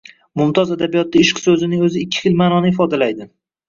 Mumtoz adabiyotda “ishq” so’zining o’zi ikki xil ma’noni ifodalaydi.